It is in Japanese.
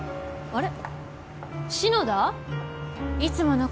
あれ？